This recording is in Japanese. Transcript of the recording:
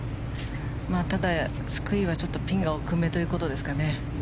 ただ、救いはちょっとピンが奥めということですかね。